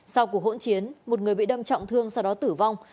sau cuộc hỗn chiến một người bị đâm trọng thương sau đó tử vong